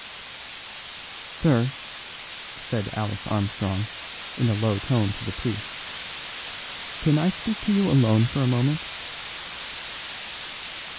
"Sir," said Alice Armstrong in a low tone to the priest, "can I speak to you alone for a moment?"